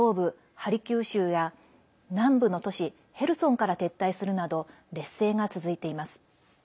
ハルキウ州や、南部の都市ヘルソンから撤退するなど劣勢が続いています。